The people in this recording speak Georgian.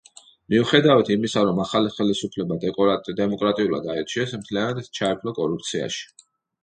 მიუხედავად იმისა, რომ ახალი ხელისუფლება დემოკრატიულად აირჩიეს, მთლიანად ჩაეფლო კორუფციაში.